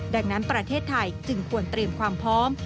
ดังนั้นประเทศไทยจึงควรเตรียมความพร้อม